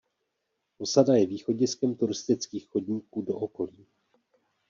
Osada je východiskem turistických chodníků do okolí.